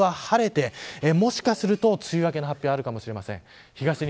そして今週後半は晴れてもしかすると梅雨明けの発表があるかもしれません。